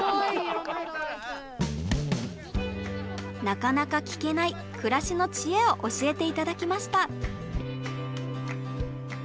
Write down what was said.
なかなか聞けない暮らしの知恵を教えて頂きました。